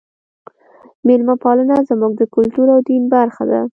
میلمه پالنه زموږ د کلتور او دین برخه ده.